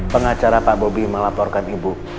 pengacara pak bobi melaporkan ibu